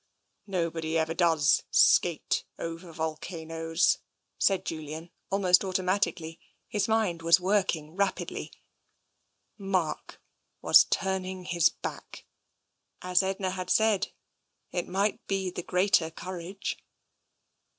" Nobody ever does skate over volcanoes," said Julian, almost automatically. His mind was working rapidly. Mark was turning his back. As Edna had said, it might be the greater courage.